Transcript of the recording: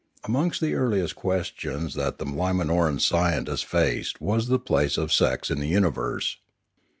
Amongst the earliest questions that the Limanoran scientists faced was the place of sex in the universe.